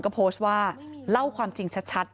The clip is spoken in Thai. ก็โพสต์ว่าเล่าความจริงชัด